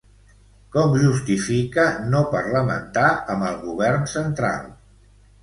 Com justifica no parlamentar amb el govern central?